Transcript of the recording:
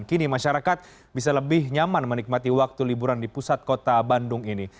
kini masyarakat bisa lebih nyaman menikmati waktu liburan di pusat kota bandung ini